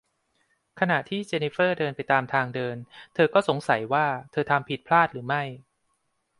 ขณะที่เจนนิเฟอร์เดินไปตามทางเดิน เธอก็สงสัยว่าเธอทำผิดพลาดหรือไม่